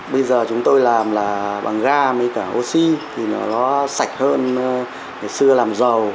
bây giờ chúng tôi làm là bằng ga với cả oxy thì nó sạch hơn ngày xưa làm giàu